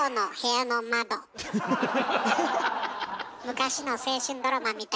昔の青春ドラマみたいなやつ。